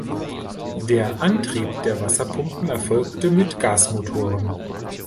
Der Antrieb der Wasserpumpen erfolgte mit Gasmotoren.